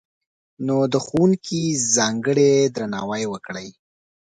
نو، د ښوونکي ځانګړی درناوی وکړئ!